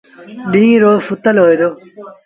ڏيٚݩهݩ رو سُتل هوئي دو۔